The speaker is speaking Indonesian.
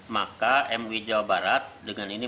maka mui jawa barat dengan ini